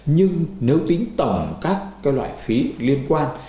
nhưng nếu tính tổng các loại phí liên quan